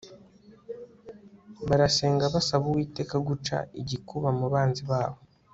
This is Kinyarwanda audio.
barasenga basaba Uwiteka guca igikuba mu banzi babo